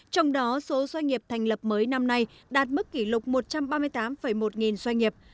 trong đó số doanh nghiệp thành lập mới năm nay đạt mức kỷ lục một trăm ba mươi tám một nghìn doanh nghiệp